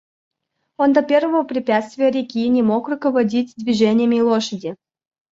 Он до первого препятствия, реки, не мог руководить движениями лошади.